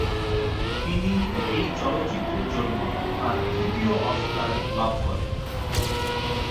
তিনি এই চলচ্চিত্রের জন্য তার তৃতীয় অস্কার লাভ করেন।